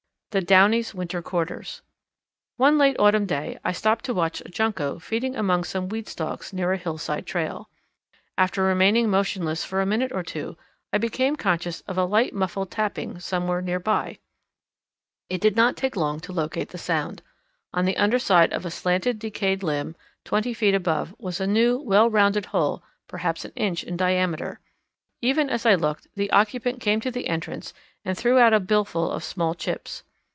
The Downy's Winter Quarters. One late autumn day I stopped to watch a Junco feeding among some weed stalks near a hillside trail. After remaining motionless for a minute or two I became conscious of a light muffled tapping somewhere near by. It did not take long to locate the sound. On the underside of a slanting decayed limb, twenty feet above, was a new, well rounded hole perhaps an inch in diameter. Even as I looked the occupant came to the entrance and threw out a billful of small chips.